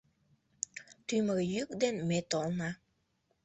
Тӱмыр йӱк ден ме толна.